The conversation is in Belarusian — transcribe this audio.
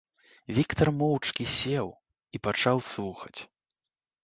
Віктар моўчкі сеў і пачаў слухаць.